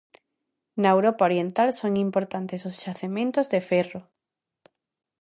Na Europa Oriental son importantes os xacementos de ferro.